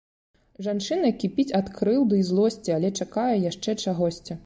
Жанчына кіпіць ад крыўды і злосці, але чакае яшчэ чагосьці.